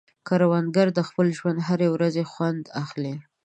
کروندګر د خپل ژوند له هرې ورځې خوند اخلي